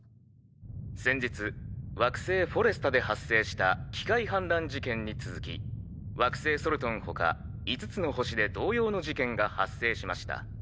先日惑星フォレスタで発生した機械反乱事件に続き惑星ソルトン他５つの星で同様の事件が発生しました。